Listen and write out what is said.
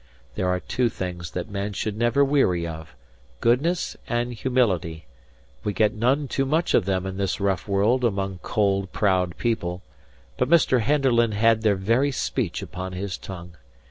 There are two things that men should never weary of, goodness and humility; we get none too much of them in this rough world among cold, proud people; but Mr. Henderland had their very speech upon his tongue.